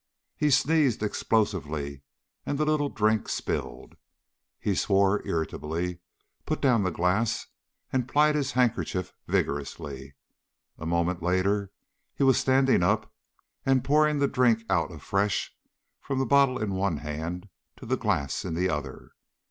He sneezed explosively, and the drink spilled. He swore irritably, put down the glass, and plied his handkerchief vigorously. A moment later he was standing up and pouring the drink out afresh, from the bottle in one hand to the glass in the other.